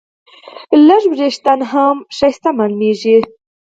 لږ وېښتيان هم ښکلي ښکاري.